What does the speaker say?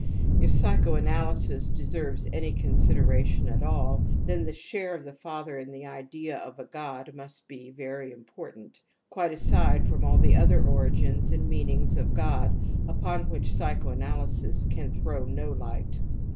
If psychoanaly sis deserves any consideration at all, then the share of the father in the idea of a god must be very important, quite aside from all the other origins and meanings of god upon which psycho analysis can throw no light.